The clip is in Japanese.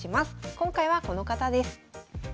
今回はこの方です。